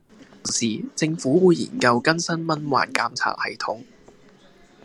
同時，政府會研究更新蚊患監察系統